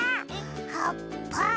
はっぱ！